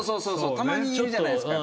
たまにいるじゃないですか。